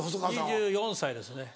２４歳ですね。